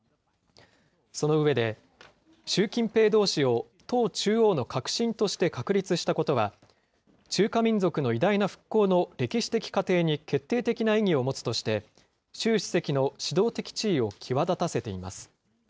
その上で、習近平同志を党中央の核心として確立したことは、中華民族の偉大な復興の歴史的過程に決定的な意義を持つとして、習主席の指導的地位を際立たせています。